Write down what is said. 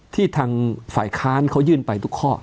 ที่ทางฝ่ายค้านเขายื่นไปทุกข้อ